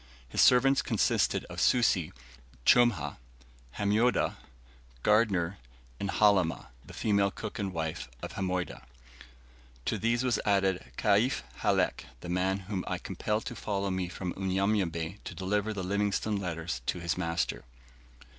His servants consisted of Susi, Chumah, Hamoydah, Gardner, and Halimah, the female cook and wife of Hamoydah; to these was added Kaif Halek, the man whom I compelled to follow me from Unyanyembe to deliver the Livingstone letters to his master.